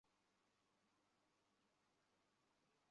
হুজুর, আমি আমার অপরাধ স্বীকার করে আত্মসমর্পণ করতে আসছি।